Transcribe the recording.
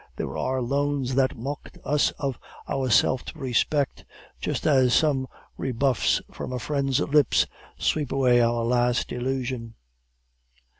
There are loans that mulct us of our self respect, just as some rebuffs from a friend's lips sweep away our last illusion.